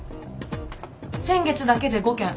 先月だけで５件。